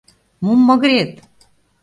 Мом магырет?